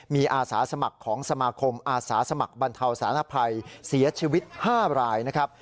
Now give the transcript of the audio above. มีอาสาสมัครของสมาคมอาสาสมัครบรรเทาสารภัยเสียชีวิต๕รายนะครับ